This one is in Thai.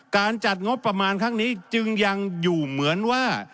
การจัดงบประมาณครั้งนี้จึงยังอยู่เหมือนว่า